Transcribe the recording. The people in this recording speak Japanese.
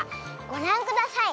ごらんください。